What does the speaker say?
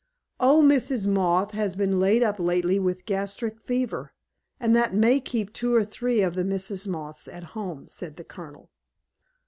"Old Mrs. Moth has been laid up lately with a gastric fever, and that may keep two or three of the Misses Moth at home," said the Colonel.